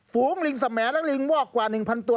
ฝูงลิงสมแหและลิงวอกกว่า๑๐๐ตัว